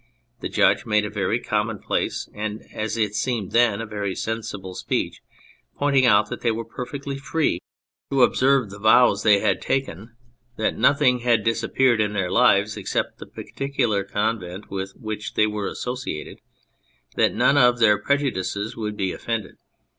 The judge made a very commonplace and, as it seemed then, a very sensible speech, point ing out that they were perfectly free to observe the 49 E On Anything vows they had taken, that nothing had disappeared in their lives except the particular convent with which they were associated ; that none of their prejudices would be offended.